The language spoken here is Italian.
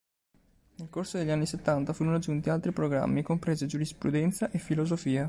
Nel corso degli anni settanta furono aggiunti altri programmi, comprese giurisprudenza e filosofia.